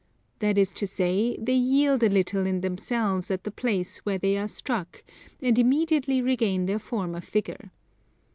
That is to say they yield a little in themselves at the place where they are struck, and immediately regain their former figure.